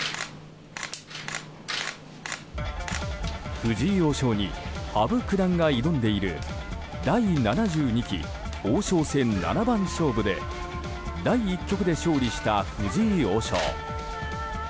藤井王将に羽生九段が挑んでいる第７２期王将戦七番勝負で第１局で勝利した藤井王将。